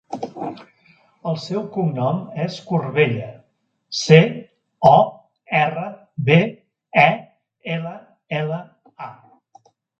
El seu cognom és Corbella: ce, o, erra, be, e, ela, ela, a.